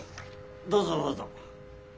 どうぞどうぞ。